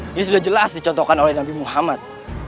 ini sudah jelas dicontohkan oleh nabi muhammad